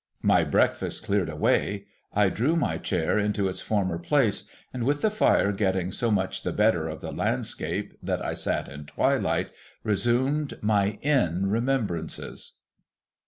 My breakfast cleared away, I drew my chair into its former place, and, with the fire getting so much the better of the landscape that I sat in twilight, resumed my Inn remembrances.